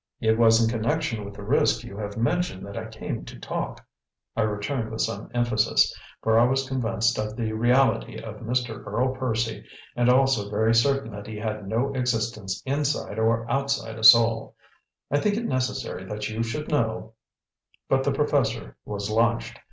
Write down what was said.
"It was in connection with the risk you have mentioned that I came to talk," I returned with some emphasis, for I was convinced of the reality of Mr. Earl Percy and also very certain that he had no existence inside or outside a soul. "I think it necessary that you should know " But the professor was launched.